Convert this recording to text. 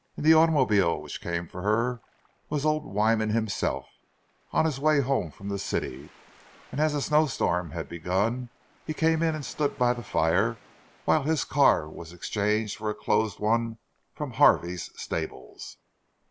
In the automobile which came for her was old Wyman himself, on his way home from the city; and as a snowstorm had begun, he came in and stood by the fire while his car was exchanged for a closed one from Harvey's stables.